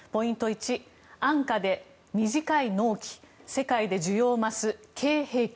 １安価で短い納期世界で需要増す韓国Ｋ‐兵器。